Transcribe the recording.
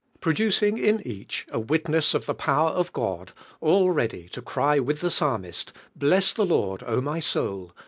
produr iug in each a wil ness nf the power of God, all ready to cry with the Psalmist, "Bless the Lord, O my soul